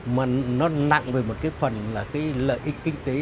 mà nó nặng về một cái phần là cái lợi ích kinh tế